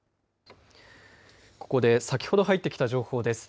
ここで先ほど入ってきた情報です。